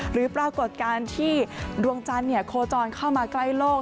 ปรากฏการณ์ที่ดวงจันทร์โคจรเข้ามาใกล้โลก